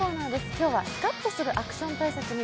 今日はスカッとするアクション大作に